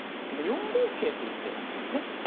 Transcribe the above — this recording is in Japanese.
この４五桂と打つ手がありますね。